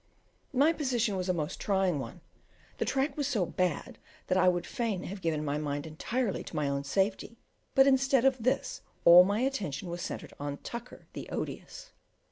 My position was a most trying one; the track was so bad that I would fain have given my mind entirely to my own safety, but instead of this all my attention was centred on Tucker the odious.